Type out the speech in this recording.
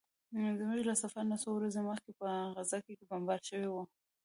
زموږ له سفر نه څو ورځې مخکې په غزه کې بمباري شوې وه.